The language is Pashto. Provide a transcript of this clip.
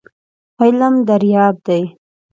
علم دریاب دی .